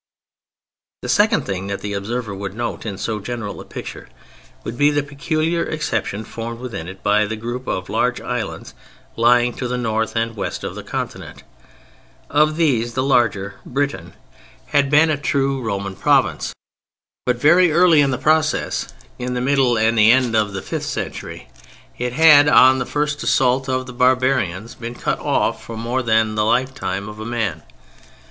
The second thing that the observer would note in so general a picture would be the peculiar exception formed within it by the group of large islands lying to the North and West of the Continent. Of these the larger, Britain, had been a true Roman Province; but very early in the process—in the middle and end of the fifth century—it had on the first assault of the barbarians been cut off for more than the lifetime of a man.